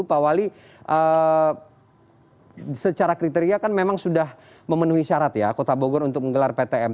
pak wali secara kriteria kan memang sudah memenuhi syarat ya kota bogor untuk menggelar ptm